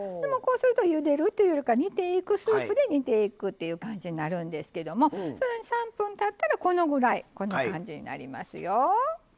こうするとゆでるというよりか煮ていくスープで煮ていくという感じになるんですけども３分たったらこのぐらいこんな感じになりますよ。